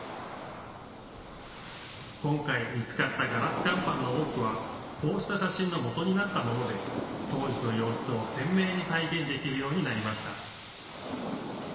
今回、見つかったガラス乾板の多くは、こうした写真のもとになったもので当時の様子を鮮明に再現できるようになりました。